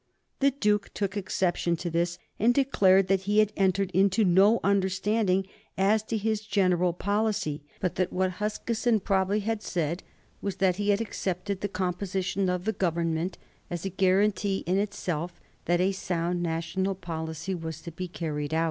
The Duke took exception to this, and declared that he had entered into no understanding as to his general policy, but that what Huskisson probably had said was that he had accepted the composition of the Government as a guarantee in itself that a sound national policy was to be carried out.